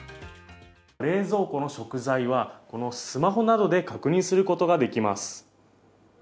冷蔵庫の食材はこのスマホなどで確認することができます。